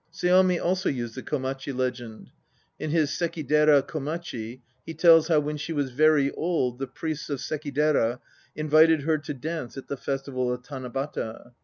Seami also used the Komachi legend. In his Sekidera Komachi he N 1U how when she was very old the priests of Sekidera invited her to at the festival of Tanabata.